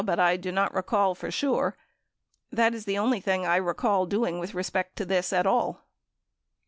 but I do not recall for sure. That is the only thing I recall doing with respect to this at all.